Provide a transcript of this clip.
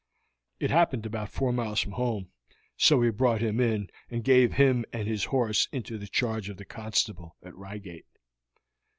It happened about four miles from home, so we brought him in and gave him and his horse into the charge of the constable at Reigate."